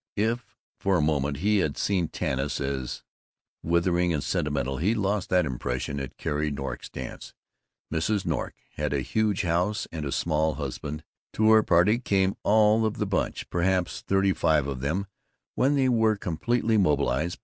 If for a moment he had seen Tanis as withering and sentimental, he lost that impression at Carrie Nork's dance. Mrs. Nork had a large house and a small husband. To her party came all of the Bunch, perhaps thirty five of them when they were completely mobilized.